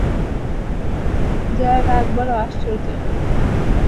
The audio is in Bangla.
জয়ার রাগ বড় আশ্চর্য।